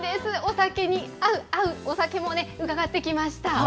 お酒に合う合うお酒も伺ってきました。